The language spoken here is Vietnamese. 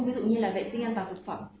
ví dụ như là vệ sinh an toàn thực phẩm